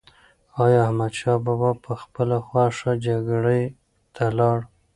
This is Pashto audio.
ایا احمدشاه بابا په خپله خوښه جګړې ته لاړ؟